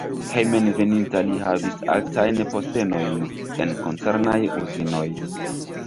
Hejmenveninta li havis altajn postenojn en koncernaj uzinoj.